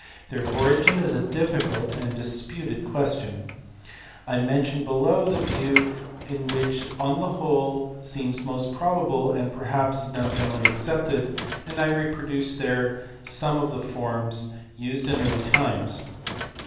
Their origin is a difficult and disputed question. I mention below (see p. 189) the view which on the whole seems most probable and perhaps is now generally accepted, and I reproduce there some of the forms used in early times.